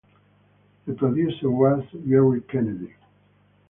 The producer was Jerry Kennedy.